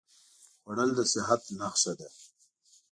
خوړل د صحت نښه ده